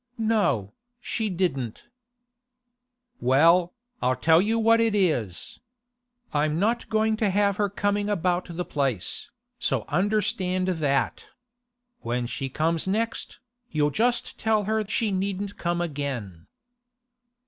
'No, she didn't.' 'Well, I tell you what it is. I'm not going to have her coming about the place, so understand that. When she comes next, you'll just tell her she needn't come again.